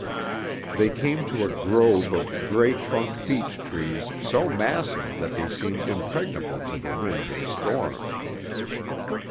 They came to a grove of gray trunked beech trees so massive that they seemed impregnable to the wind and storm.